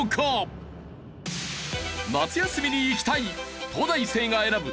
夏休みに行きたい東大生が選ぶ！